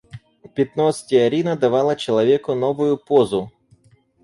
Пятно стеарина давало человеку новую позу.